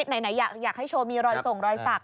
ไหนอยากให้โชว์มีรอยส่งรอยสัก